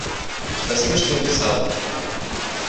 Спасибо, что написал.